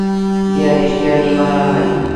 بیا رښتیا لیوه راغی.